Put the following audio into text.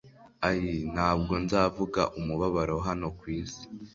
Ai ntabwo nzavuga umubabaro hano kwisi